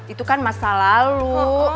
itu kan masa lalu